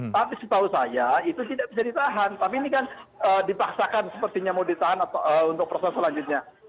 tapi setahu saya itu tidak bisa ditahan tapi ini kan dipaksakan sepertinya mau ditahan untuk proses selanjutnya